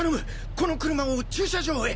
この車を駐車場へ。